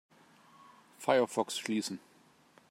Firefox schließen.